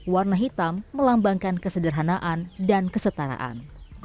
warna hitam melambangkan kesederhanaan dan kesetaraan